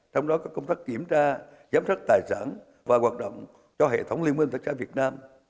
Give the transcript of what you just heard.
trong đó có công tác kiểm tra giám sát tài sản và hoạt động cho hệ thống liên minh hợp tác xã việt nam